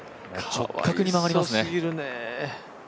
直角に曲がりますね。